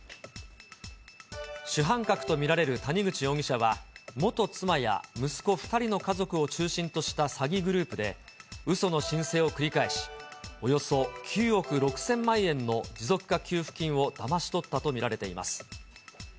主犯格と見られる谷口容疑者は、元妻や息子２人の家族を中心とした詐欺グループでうその申請を繰り返し、およそ９億６０００万円の持続化給付金をだまし取ったと見られています。